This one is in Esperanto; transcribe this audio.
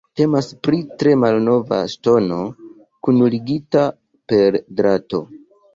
Temas pri tre malnova ŝtono kunligita per drato.